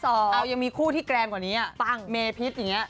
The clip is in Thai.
เอายังมีคู่ที่แกรนกว่านี้ปังเมพิษอย่างนี้